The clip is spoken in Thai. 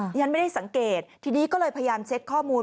ฉันไม่ได้สังเกตทีนี้ก็เลยพยายามเช็คข้อมูล